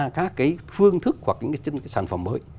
các cái phương thức hoặc những cái sản phẩm mới